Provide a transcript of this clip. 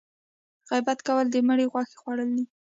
غیبت کول د مړي غوښه خوړل دي